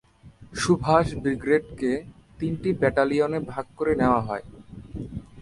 সুভাষ ব্রিগেডকে তিনটি ব্যাটেলিয়নে ভাগ করে নেওয়া হয়।